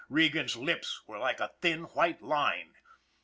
Regan's lips were like a thin, white line.